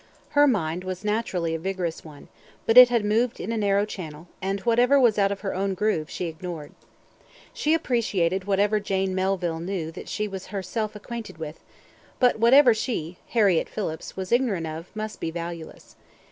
Her mind was naturally a vigorous one, but it had moved in a narrow channel, and whatever was out of her own groove, she ignored. She appreciated whatever Jane Melville knew that she was herself acquainted with, but whatever she Harriett Phillips was ignorant of, must be valueless.